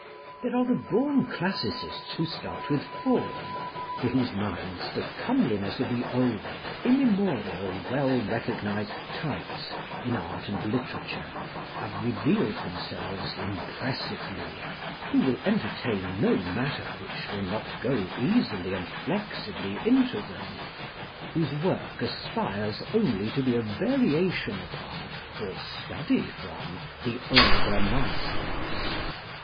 There are the born classicists who start with form, to whose minds the comeliness of the old, immemorial, well recognised types in art and literature, have revealed themselves impressively; who will entertain no matter which will not go easily and flexibly into them; whose work aspires only to be a variation upon, or study from, the older masters.